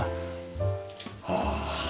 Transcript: ああ。